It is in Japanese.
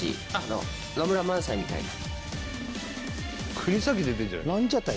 国崎出てるじゃない。